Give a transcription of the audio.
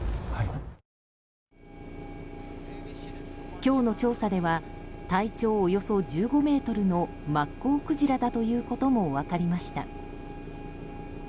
今日の調査では体長およそ１５ｍのマッコウクジラだということも分かりました。